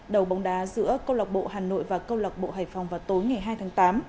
đầu bóng đá giữa công lọc bộ hà nội và công lọc bộ hải phòng vào tối ngày hai tháng tám